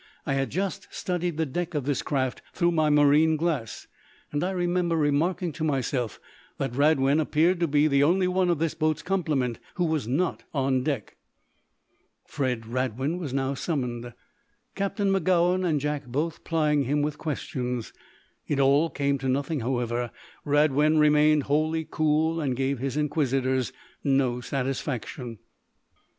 "I had just studied the deck of this craft through my marine glass, and I remember remarking to myself that Radwin appeared to be the only one of this boat's complement who was not on deck." Fred Radwin was now summoned, Captain Magowan and Jack both plying him with questions. It all came to nothing, however. Radwin remained wholly cool and gave his inquisitors no satisfaction.